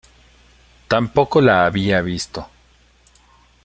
Tampoco la había visto.